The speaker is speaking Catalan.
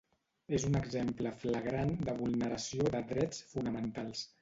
És un exemple flagrant de vulneració de drets fonamentals.